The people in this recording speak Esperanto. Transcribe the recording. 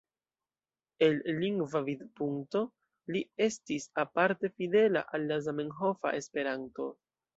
El lingva vidpunkto, li estis aparte fidela al la zamenhofa Esperanto.